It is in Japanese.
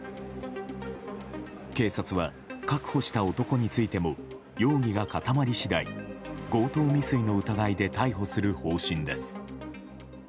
警察は、確保した男についても容疑が固まり次第強盗未遂の疑いで逮捕する方針です。